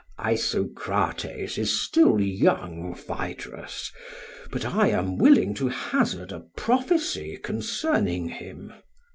SOCRATES: Isocrates is still young, Phaedrus; but I am willing to hazard a prophecy concerning him.